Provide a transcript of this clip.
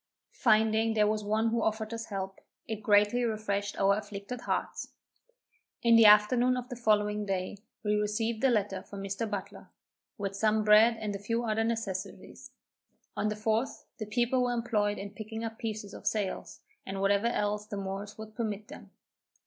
Finding there was one who offered us help, it greatly refreshed our afflicted hearts. In the afternoon of the following day, we received a letter from Mr. Butler, with some bread and a few other necessaries. On the 4th, the people were employed in picking up pieces of sails, and whatever else the Moors would permit them.